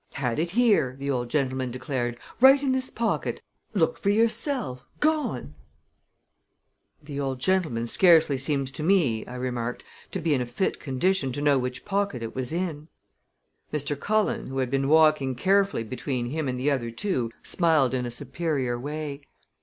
"Had it here," the old gentleman declared; "right in this pocket! Look for yourself gone!" "The old gentleman scarcely seems to me," I remarked, "to be in a fit condition to know which pocket it was in." Mr. Cullen, who had been walking carefully between him and the other two, smiled in a superior way.